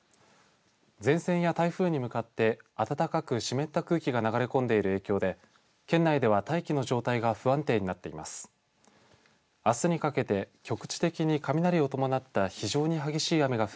前線や台風に向かって暖かく湿った空気が流れ込んでいる影響で県内では、大気の状態が不安定になっています。